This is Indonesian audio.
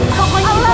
kalau mau setuju